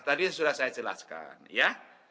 tadi sudah saya jelaskan ya